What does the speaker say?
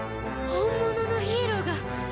本物のヒーローが